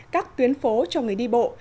các tuyến phố cho người đi bộ